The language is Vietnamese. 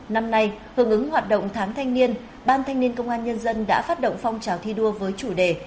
năm nay hướng ứng hoạt động tháng thanh niên ban thanh niên công an nhân dân đã phát động phong trào thi đua với chủ đề